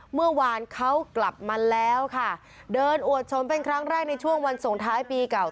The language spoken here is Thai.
เมื่อวานเขากลับมาแล้วค่ะเดินอวดชมเป็นครั้งแรกในช่วงวันส่งท้ายปีเก่า